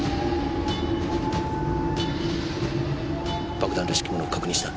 爆弾らしき物を確認した。